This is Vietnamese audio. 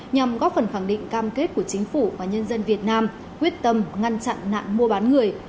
nhằm góp phần khẳng định cam kết của chính phủ và nhân dân việt nam quyết tâm ngăn chặn nạn mua bán người